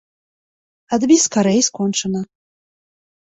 Адбі скарэй, і скончана.